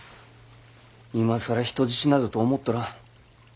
今更人質などと思っとらん。